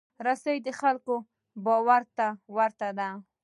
رسۍ د خلکو باور ته ورته ده.